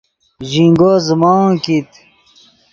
ژینگو زیموت کیت